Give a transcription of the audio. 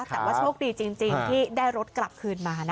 แต่ว่าโชคดีจริงที่ได้รถกลับคืนมานะคะ